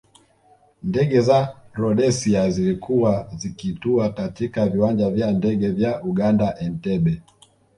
Ndege za Rhodesia zilikuwa zikitua katika viwanja vya ndege vya Uganda Entebbe